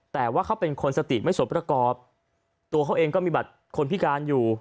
แต่ว่าเขาเป็นคนสติไม่สมประกอบตัวเขาเองก็มีบัตรคนพิการอยู่